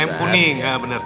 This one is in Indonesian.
ayam kuning bener